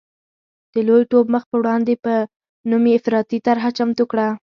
د لوی ټوپ مخ په وړاندې په نوم یې افراطي طرحه چمتو کړه.